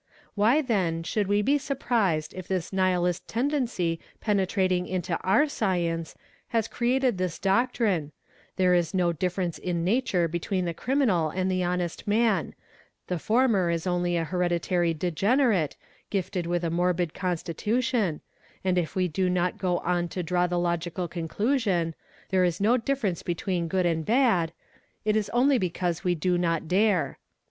Why then should we be surprised if this nihilist tendency penetrating into our science has created this doctrine,—there is no difference in nature between the criminal and ' Bthe honest man; the former is only a hereditary degenerate, gifted with a \ morbid constitution ; and if we do not go on to draw the logical con ' clusion—there is no difference between good and bad, it 1s only because | we do not dare.